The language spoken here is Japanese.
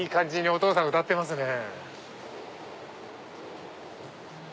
お父さん歌ってますね。